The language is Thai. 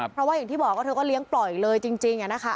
เพราะว่าอย่างที่บอกว่าเธอก็เลี้ยงปล่อยเลยจริงนะคะ